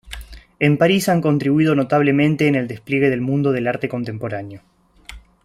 En París han contribuido notablemente en el despliegue del mundo del arte contemporáneo.